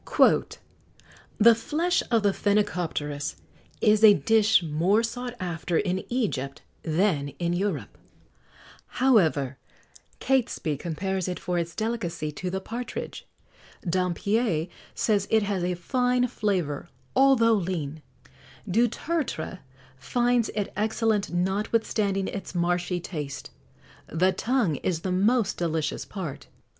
[XX 70] "The flesh of the phenicopterus is a dish more sought after in Egypt than in Europe; however, Catesby compares it for its delicacy to the partridge; Dampier says it has a fine flavour, although lean; Dutertre finds it excellent notwithstanding its marshy taste; the tongue is the most delicious part."